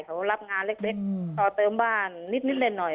เขารับงานเล็กต่อเติมบ้านนิดเล่นหน่อย